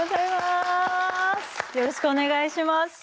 よろしくお願いします。